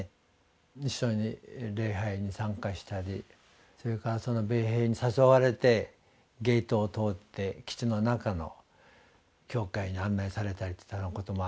一緒に礼拝に参加したりそれからその米兵に誘われてゲートを通って基地の中の教会に案内されたりしたこともあったし。